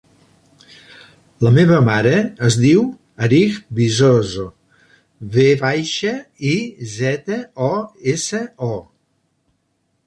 La meva mare es diu Arij Vizoso: ve baixa, i, zeta, o, essa, o.